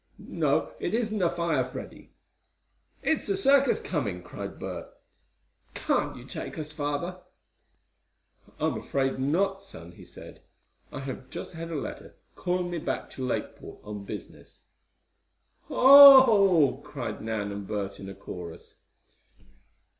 "No, it isn't a fire, Freddie." "It's a circus coming!" cried Bert "Can't you take us, father?" "I'm afraid not, son," he said. "I have just had a letter calling me back to Lakeport on business." "Oh!" cried Nan and Bert in a chorus.